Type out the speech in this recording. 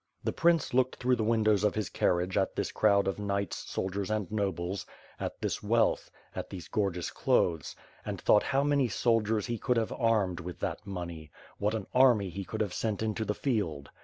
The prince looked through the windows of his carriage at this crowd of knights, soldiers and nobles; at this wealth; at these gorgeous clothes; and thought how many soldiers he could have armed with that money; what an army he could have sent into the field.